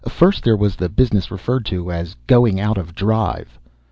First there was the business referred to as "going out of drive".